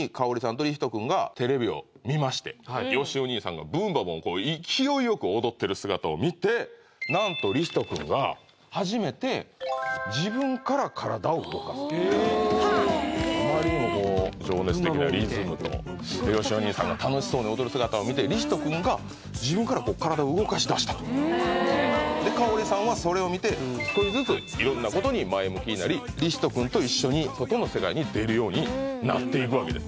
とりひと君がテレビを見ましてよしお兄さんが「ブンバ・ボーン！」を勢いよく踊ってる姿を見てなんとりひと君が初めてあまりにもこう情熱的なリズムとよしお兄さんが楽しそうに踊る姿を見てりひと君が自分からこう体を動かしだしたとで香里さんはそれを見て少しずついろんなことに前向きになりりひと君と一緒に外の世界に出るようになっていくわけです